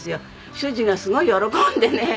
主人がすごい喜んでね。